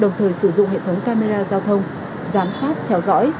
đồng thời sử dụng hệ thống camera giao thông giám sát theo dõi